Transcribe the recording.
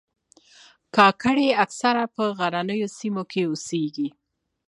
کاکړي اکثره په غرنیو سیمو کې اوسیږي.